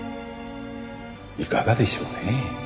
いかがでしょうねえ？